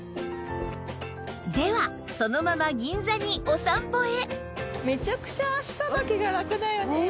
ではそのまま銀座にお散歩へ